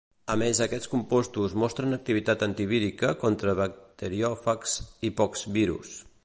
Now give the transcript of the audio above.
A més aquests compostos mostren activitat antivírica contra bacteriòfags i poxvirus.